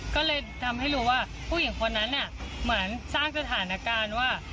ก็เลยทำให้รู้ว่าผู้หญิงคนนั้นเหมือนสร้างสถานการณ์ว่า